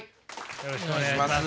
よろしくお願いします。